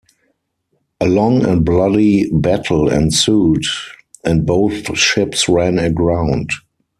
A long and bloody battle ensued, and both ships ran aground.